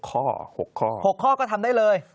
๖ข้อก็ทำได้เลย